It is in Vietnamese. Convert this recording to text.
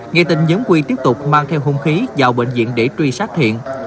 nghe tin nhóm huy tiếp tục mang theo hôn khí vào bệnh viện để truy sát thiện